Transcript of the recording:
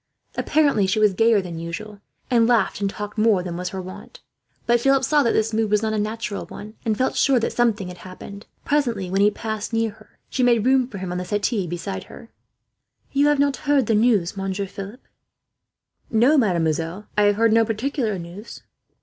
Apparently she was gayer than usual, and laughed and talked more than was her wont; but Philip saw that this mood was not a natural one, and felt sure that something had happened. Presently, when he passed near her, she made room for him on the settee beside her. [Illustration: You have not heard the news, Monsieur Philip?] "You have not heard the news, Monsieur Philip?" "No, mademoiselle, I have heard no particular news."